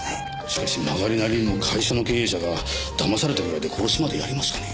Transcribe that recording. しかしまがりなりにも会社の経営者がだまされたぐらいで殺しまでやりますかね？